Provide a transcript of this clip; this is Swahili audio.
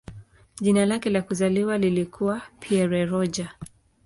Jina lake la kuzaliwa lilikuwa "Pierre Roger".